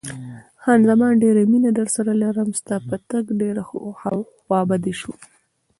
خان زمان: ډېره مینه درسره لرم، ستا په تګ ډېره خوابدې شوم.